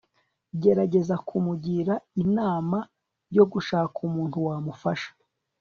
gerageza kumugira inama yo gushaka umuntu wamufasha